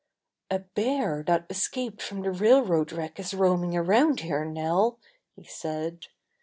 ''A bear that escaped from the railroad wreck is roaming around here, Nell," he said.